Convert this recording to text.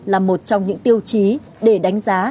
là một trong những tiêu chí để đánh giá